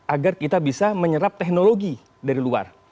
agar kita bisa menyerap teknologi dari luar